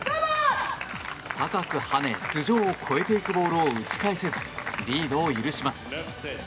高く跳ね、頭上を越えていくボールを打ち返せずリードを許します。